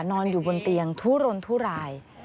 นอนอยู่บนเตียงทุรนทุราย